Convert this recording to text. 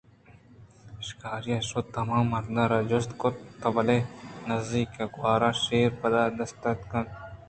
شِکاری ءَ شُت ءُ ہما مرد ءَ را جُست کُت تو ہمے نِزّیک ءُ گوٛراں شیر ءِ پد دِیستگ اَنت